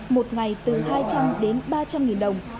một ngày từ hai trăm linh đến ba trăm linh nghìn đồng